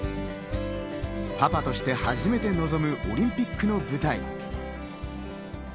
パパとして初めて臨むオリンピックの舞台。